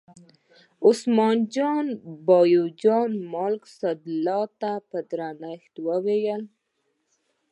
عثمان جان باچا ملک سیدلال ته په درنښت وویل.